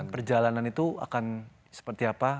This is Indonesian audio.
perjalanan itu akan seperti apa